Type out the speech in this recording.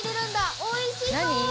おいしそう！